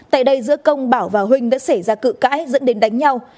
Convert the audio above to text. tại đây giữa công bảo và huynh đã xảy ra cự cãi dẫn đến đánh nhau